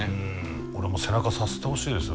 俺も背中さすってほしいですよ